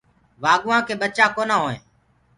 وآڳوُآ ڪي ٻچآ ڪونآ هووينٚ۔